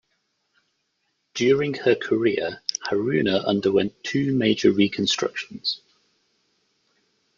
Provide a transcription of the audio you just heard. During her career, "Haruna" underwent two major reconstructions.